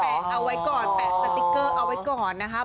เอาไว้ก่อนแปะสติ๊กเกอร์เอาไว้ก่อนนะครับ